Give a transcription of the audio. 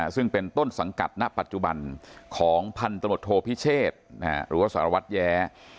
ซึ่งเป็นต้นสังกัดณปัจจุบันของพันธมตโทพิเชษหรือว่าสารวัตรแย้